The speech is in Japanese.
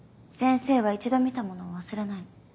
先生は一度見たものを忘れないの。